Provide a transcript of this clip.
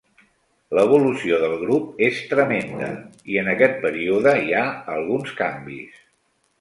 L'evolució del grup és tremenda, i en aquest període hi ha alguns canvis.